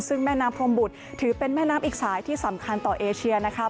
ซึ่งแม่น้ำพรมบุตรถือเป็นแม่น้ำอีกสายที่สำคัญต่อเอเชียนะคะ